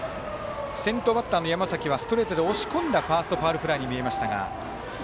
先頭バッターの山崎はストレートで押し込んだファーストファウルフライに見えましたが。